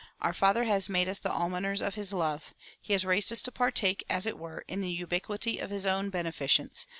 Our Father has made us the almoners of his love. He has raised us to partake, as it were, in the ubiquity of his own beneficence.